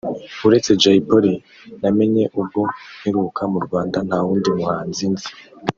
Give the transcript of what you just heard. uretse Jay Polly namenye ubwo mperuka mu Rwanda nta wundi muhanzi nzi